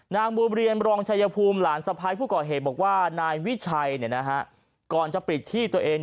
นางบัวเรียนรองชายภูมิหลานสะพ้ายผู้ก่อเหตุบอกว่านายวิชัยก่อนจะปิดที่ตัวเอง